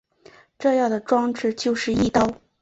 这样的装置就是翼刀。